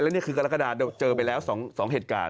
แล้วนี่คือกรกฎาศิงหากัญญาเตรียมตัวไว้เจอไปแล้ว๒เหตุการณ์